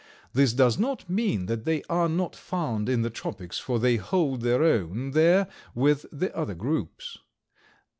This does not mean that they are not found in the tropics for they hold their own there with the other groups.